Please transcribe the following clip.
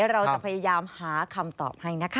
เราจะพยายามหาคำตอบให้นะคะ